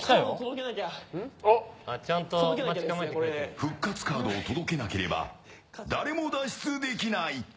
復活カードを届けなければ誰も脱出できない。